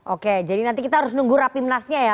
oke jadi nanti kita harus nunggu rapimnasnya ya